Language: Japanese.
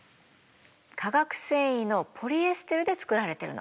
化学繊維のポリエステルで作られてるの。